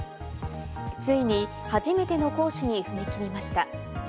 ついに初めての行使に踏み切りました。